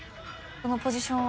このポジションは。